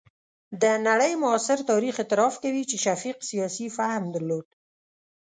د نړۍ معاصر تاریخ اعتراف کوي چې شفیق سیاسي فهم درلود.